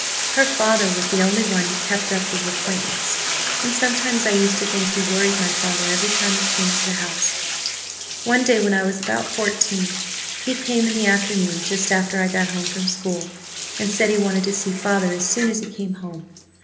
Her father was the only one who kept up the acquaintance, and sometimes I used to think he worried my father every time he came to the house. One day when I was about fourteen he came in the afternoon just after I got home from school and said he wanted to see father as soon as he came home.